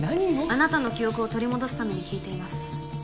あなたの記憶を取り戻すために聞いています。